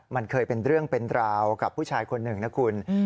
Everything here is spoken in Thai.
มันเคยเป็นเรื่องเป็นราวกับผู้ชายคนหนึ่งนะคุณ